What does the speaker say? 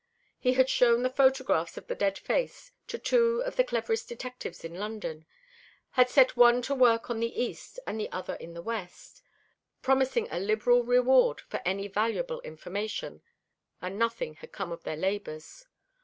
He had shown the photographs of the dead face to two of the cleverest detectives in London had set one to work in the east and the other in the west, promising a liberal reward for any valuable information; and nothing had come of their labours.